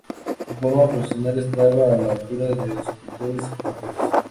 Su formación profesional estaba a la altura de escultores y pintores.